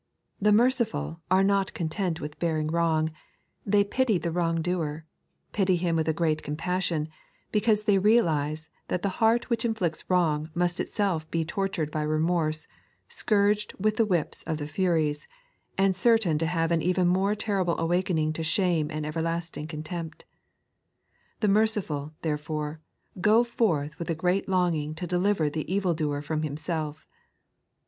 77ie merci/W are not content with bearing wrong ; they pity the wrong doer, pity him with a great compassion, because they realize that the heart which inflicts wrong must itself be tortured by remorse, scourged with the whips of the Furies, and certain to have an even more terrible awakening to shame and everlastiog contempt. The merciful, therefore, go forth with a great longing to deliver the evildoer from himself.